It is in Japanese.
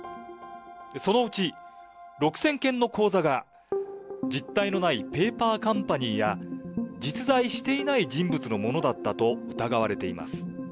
そのうち６０００件の口座が実体のないペーパーカンパニーや、実在していない人物のものだったと疑われています。